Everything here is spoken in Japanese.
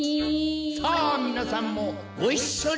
さあみなさんもごいっしょにどうぞ！